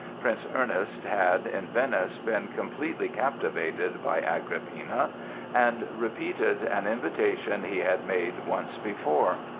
Prince Ernest had, in Venice, been completely captivated by "Agrippina" and repeated an invitation he had made once before.